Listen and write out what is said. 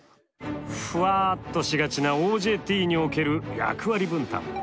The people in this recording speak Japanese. ふわっとしがちなＯＪＴにおける役割分担。